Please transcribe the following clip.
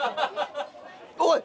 おい！